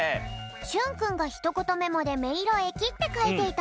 しゅんくんがひとことメモで「めいろえき」ってかいていた